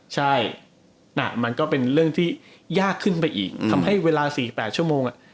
ใช่น่ะมันก็เป็นเรื่องที่ยากขึ้นไปอีกทำให้เวลา๔๘ชั่วโมง